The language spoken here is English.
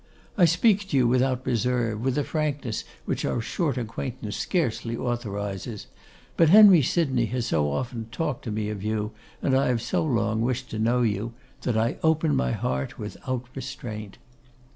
I speak to you without reserve; with a frankness which our short acquaintance scarcely authorises; but Henry Sydney has so often talked to me of you, and I have so long wished to know you, that I open my heart without restraint.